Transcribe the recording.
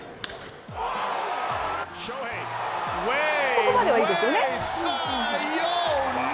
ここまではいいですよね。